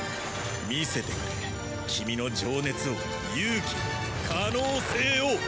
見せてくれ君の情熱を勇気を可能性を。